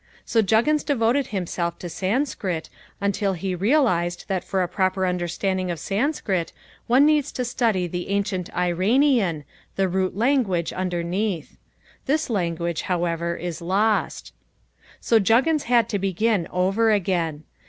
So Juggins devoted himself to Sanskrit until he realised that for a proper understanding of Sanskrit one needs to study the ancient Iranian, the root language underneath. This language however is lost. So Juggins had to begin over again.